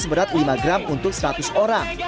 sementaranya logam mulia seberat lima gram untuk seratus orang